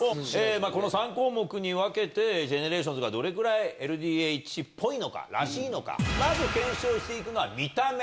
この３項目に分けて、ＧＥＮＥＲＡＴＩＯＮＳがどれぐらいＬＤＨっぽいのか、らしいのか、まず検証していくのは見た目。